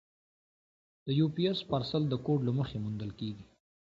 د یو پي ایس پارسل د کوډ له مخې موندل کېږي.